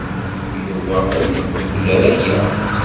Yuba ur iqebbel ara aya.